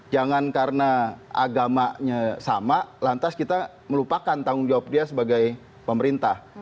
jangan karena agamanya sama lantas kita melupakan tanggung jawab dia sebagai pemerintah